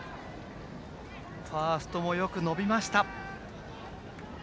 ファーストもよく伸びました。